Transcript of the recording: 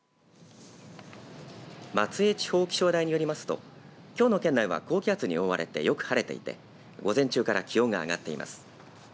松江地方気象台によりますときょうの県内は高気圧に覆われてよく晴れていて午前中から気温が上がっています。